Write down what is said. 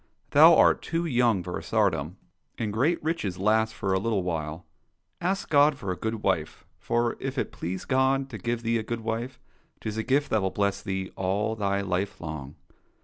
Thou art too young for a tsardom, and great 184 THE STORY OF IVAN riches last but for a little while ; ask God for a good wife, for if it please God to give thee a good wife, 'tis a gift that will bless thee all thy Hfe long."